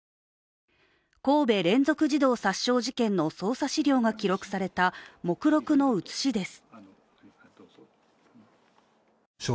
神戸連続児童殺傷事件の捜査資料が記録された目録の写しです。